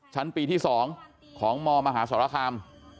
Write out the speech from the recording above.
ชั้นปีที่๒ของมมหาสรคาม